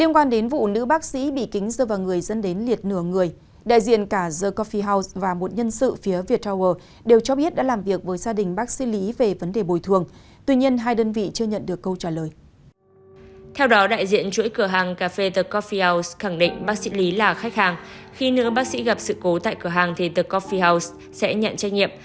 các bạn hãy đăng ký kênh để ủng hộ kênh của chúng mình nhé